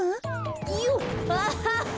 よっアハハ！